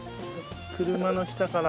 車の下から。